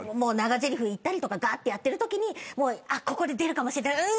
長ぜりふ言ったりとかがってやってるときにここで出るかもしれない。